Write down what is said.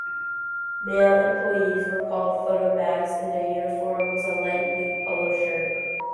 Male employees were called "Fotomacs" and their uniform was a light blue polo shirt.